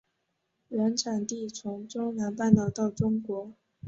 原产地从中南半岛到中国。